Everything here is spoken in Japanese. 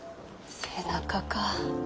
背中か。